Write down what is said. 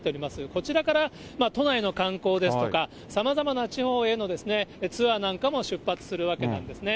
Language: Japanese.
こちらから都内の観光ですとか、さまざまな地方へのツアーなんかも出発するわけなんですね。